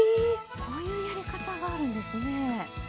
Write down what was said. こういうやり方があるんですね。